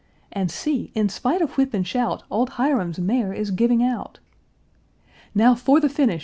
And see! in spite of whip and shout, Old Hiram's mare is giving out! Now for the finish!